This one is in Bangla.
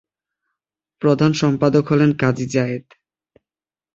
প্রধান সম্পাদক হলেন- কাজী জায়েদ।